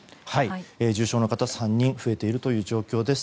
重症の方３人増えているという状況です。